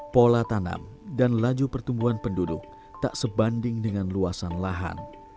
pola tanam dan laju pertumbuhan penduduk tak sebanding dengan luasan lahan